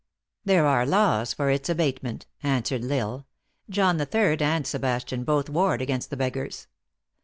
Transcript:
" There are laws for its abatement," answered L Isle. " John III. and Sebastian both warred against the beggars.